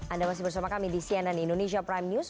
anda masih bersama kami di cnn indonesia prime news